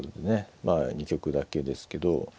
まあ２局だけですけど